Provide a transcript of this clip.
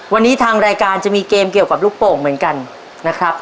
วันนี้ทางรายการจะมีเกมเกี่ยวกับลูกโป่งเหมือนกันนะครับ